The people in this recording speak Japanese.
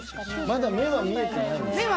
まだ目は見えてないんですか？